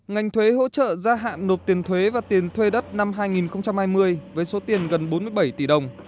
ngành thuế hỗ trợ gia hạn nộp tiền thuế và tiền thuê đất năm hai nghìn hai mươi với số tiền gần bốn mươi bảy tỷ đồng